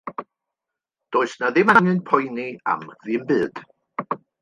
Does 'na ddim angen poeni am ddim byd.